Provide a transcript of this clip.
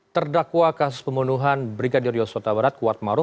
terdakwa kasus pembunuhan brigadir yosua tawarat kuatmaruh